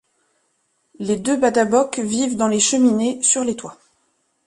Les deux Badaboks vivent dans les cheminées, sur les toits.